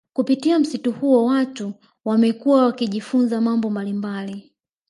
Kupitia msitu huo watu wamekuwa wakijifunza mambo mbalimbali